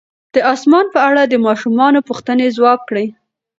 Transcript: د اسمان په اړه د ماشومانو پوښتنې ځواب کړئ.